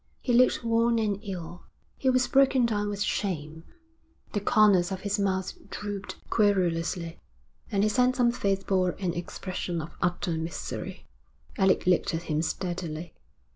He looked worn and ill. He was broken down with shame. The corners of his mouth drooped querulously, and his handsome face bore an expression of utter misery. Alec looked at him steadily.